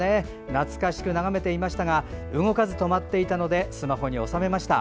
懐かしく眺めていましたが動かず、とまってくれたのでスマホに収めました。